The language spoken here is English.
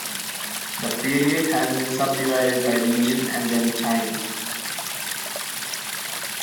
The period has been subdivided by region and then time.